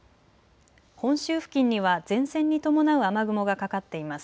本州付近には前線に伴う雨雲がかかっています。